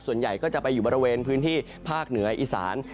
ส่วนใหญ่ก็จะไปอยู่บริเวณพื้นที่ภาคเหนืออีสาน